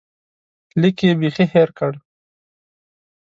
لیک یې بیخي هېر کړ.